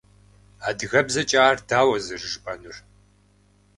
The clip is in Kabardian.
Адыгэбзэкӏэ ар дауэ зэрыжыпӏэнур?